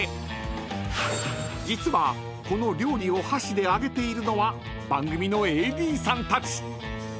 ［実はこの料理を箸で上げているのは番組のＡＤさんたち］